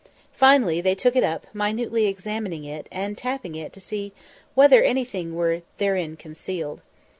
Finally they took it up, minutely examining it, and tapping it as if to see whether anything were therein concealed.